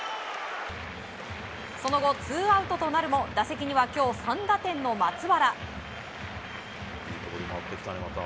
その後、ツーアウトとなるも打席には今日３打点の松原。